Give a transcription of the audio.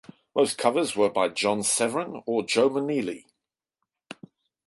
Most covers were by John Severin or Joe Maneely.